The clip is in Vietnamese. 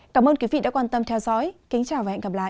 cảm ơn quý vị đã quan tâm theo dõi kính chào và hẹn gặp lại